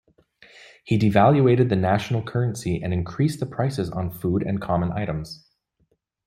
He devaluated the national currency and increased the prices on food and common items.